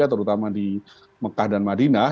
terutama di mekah dan madinah